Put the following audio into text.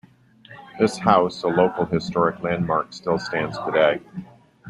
This house, a local historic landmark, still stands today.